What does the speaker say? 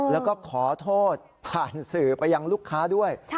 แล้วก็ขอโทษผ่านสื่อไปยังลูกค้าด้วย